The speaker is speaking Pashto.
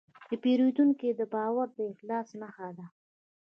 د پیرودونکي باور د اخلاص نښه ده.